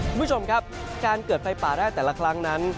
คุณผู้ชมครับการเกิดไฟป่าได้แต่ละครั้งนั้น